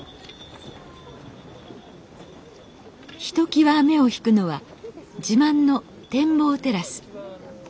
ひときわ目を引くのは自慢の展望テラス。